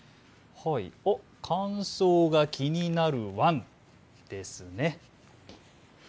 乾燥が気になるワン、ですね。